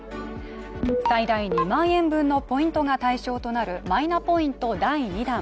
最大２万円分のポイントが対象となるマイナポイント第２弾。